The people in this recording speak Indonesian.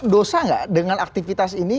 dosa gak dengan aktivitas ini